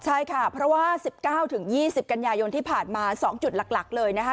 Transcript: ใช่ค่ะเพราะว่า๑๙๒๐กันยายนที่ผ่านมา๒จุดหลักเลยนะคะ